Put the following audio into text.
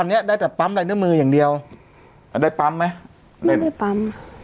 ตอนเนี้ยได้แต่ปั๊มใดเนื้อมืออย่างเดียวแล้วได้ปั๊มไหมไม่ได้ปั๊ม